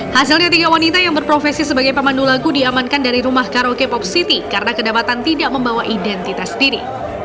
hasilnya tiga wanita yang berprofesi sebagai pemandu lagu diamankan dari rumah karaoke pop city karena kedapatan tidak membawa identitas diri